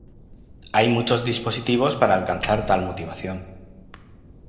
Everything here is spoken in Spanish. Hay muchos dispositivos para alcanzar tal motivación.